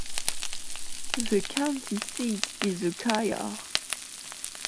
The county seat is Ukiah.